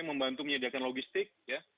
membantu menyediakan logistik